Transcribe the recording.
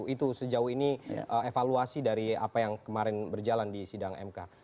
itu sejauh ini evaluasi dari apa yang kemarin berjalan di sidang mk